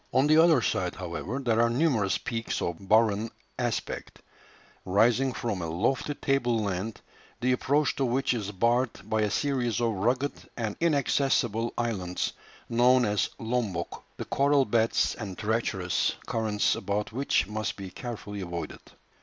On the other side, however, there are numerous peaks of barren aspect, rising from a lofty table land, the approach to which is barred by a series of rugged and inaccessible islands, known as Lombok, the coral beds and treacherous currents about which must be carefully avoided.